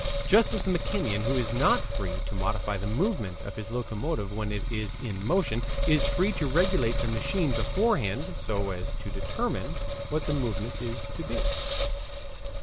Just as the mechanician who is not free to modify the movement of his locomotive when it is in motion, is free to regulate the machine beforehand so as to determine what the movement is to be.